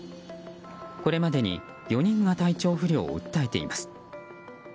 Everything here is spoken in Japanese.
これまでに４人が体調不良を訴えています。